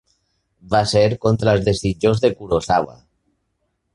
Va ser contra els desitjos de Kurosawa.